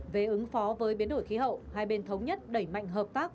về ứng phó với biến đổi khí hậu hai bên thống nhất đẩy mạnh hợp tác